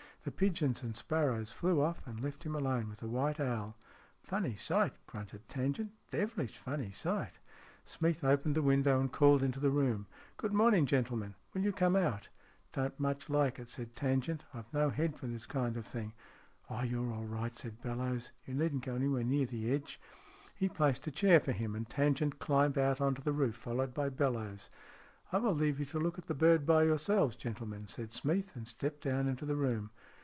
The pigeons and sparrows flew off and left him alone with the white owl. " Funny sight !" grunted Tangent. " Devilish funny sight !" Smeath opened the window, and called into the room :" Good morning, gentlemen ! Will you come out?" " Don't much like it," said Tangent. " I've no head for this kind of thing." " Oh, you're all right !" said Bellowes. " You needn't go anywhere near the edge." He placed a chair for him, and Tangent climbed out on to the roof, followed by Bellowes. " I will leave you to look at the bird by your selves, gentlemen," said Smeath, and stepped down into the room.